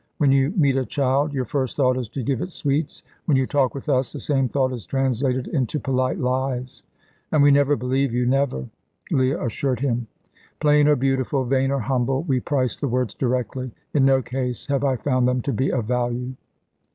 When you meet a child your first thought is to give it sweets; when you talk with us the same thought is translated into polite lies. And we never believe you never," Leah assured him. "Plain or beautiful, vain or humble, we price the words directly. In no case have I found them to be of value."